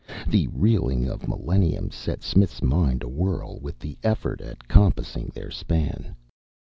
The reeling of millenniums set Smith's mind awhirl with the effort at compassing their span.